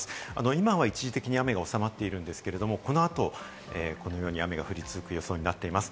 今は一時的に雨が収まっているんですが、この後、このように雨が降り続く予想になっています。